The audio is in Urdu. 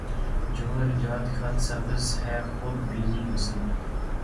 جوہر ایجاد خط سبز ہے خود بینیٔ حسن